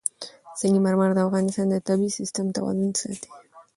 سنگ مرمر د افغانستان د طبعي سیسټم توازن ساتي.